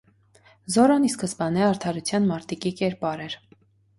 Զորրոն ի սկզբանե արդարության մարտիկի կերպար էր։